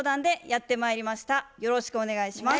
よろしくお願いします。